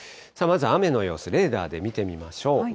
まず雨の様子、レーダーで見てみましょう。